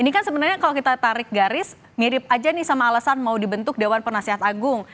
ini kan sebenarnya kalau kita tarik garis mirip aja nih sama alasan mau dibentuk dewan penasihat agung